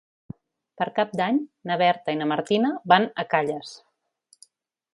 Per Cap d'Any na Berta i na Martina van a Calles.